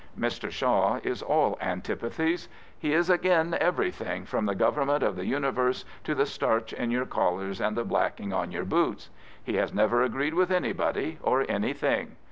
Mr. Shaw is all antipathies. He is " agin ^ everything, from the government of the ^ universe to the starch in your collars and the blacking on your boots. He has never agreed with anybody or anything.